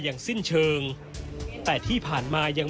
แม่จะมาเรียกร้องอะไร